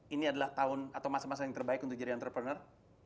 ini adalah tahun atau masa masa yang terbaik untuk jadi entrepreneur